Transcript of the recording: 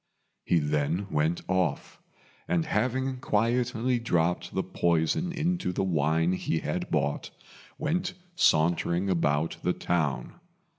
He then went off; and having quietly dropped the poison into the wine he had bought, went sauntering about the town.